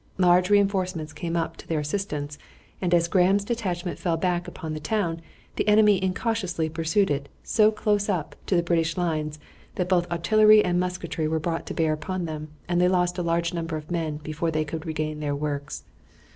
Large re enforcements came up to their assistance, and as Graham's detachment fell back upon the town, the enemy incautiously pursued it so close up to the British lines that both artillery and musketry were brought to bear upon them, and they lost a large number of men before they could regain their works.